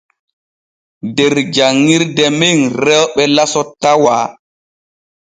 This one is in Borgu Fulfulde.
Der janŋirde men rewɓe laso tawa.